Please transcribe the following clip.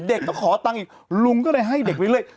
เด็กเขาขอตังค์อีกลุงก็เลยให้เด็กไปเลย